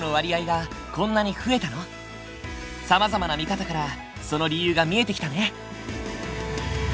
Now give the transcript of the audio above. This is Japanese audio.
さまざまな見方からその理由が見えてきたね。